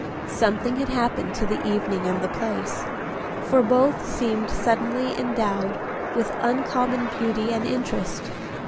Something had happened to the evening and the place, for both seemed suddenly endowed with uncommon beauty and interest.